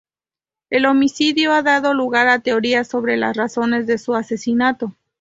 El homicidio ha dado lugar a teorías sobre las razones de su asesinato.